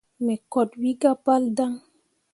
Me koot wi gah pal daŋ.